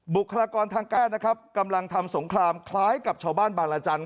บุคลากรทางแพทย์นะครับกำลังทำสงครามคล้ายกับชาวบ้านบางรจันทร์